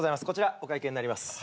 こちらお会計になります。